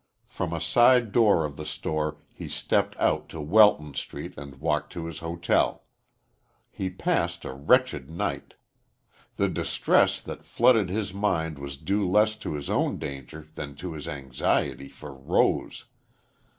From a side door of the store he stepped out to Welton Street and walked to his hotel. He passed a wretched night. The distress that flooded his mind was due less to his own danger than to his anxiety for Rose.